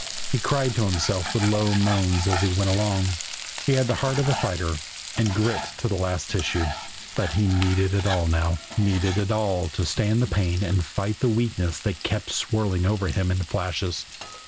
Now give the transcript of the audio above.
He cried to himself with low moans as he went along. He had the heart of a fighter, and grit to the last tissue; but he needed it all now needed it all to stand the pain and fight the weakness that kept swirling over him in flashes.